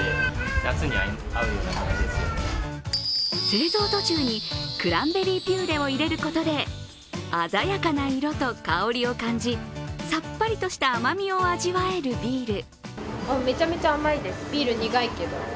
製造途中にクランベリーピューレを入れることで鮮やかな色と香りを感じ、さっぱりとした甘みを味わえるビール。